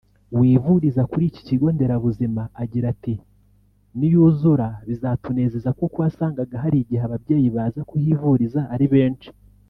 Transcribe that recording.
wivuriza kuri iki kigo nderabuzima agira ati "Niyuzura bizatunezeza kuko wasangaga hari igihe ababyeyi baza kuhivuriza ari benshi